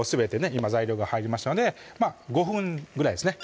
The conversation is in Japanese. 今材料が入りましたのでまぁ５分ぐらいですね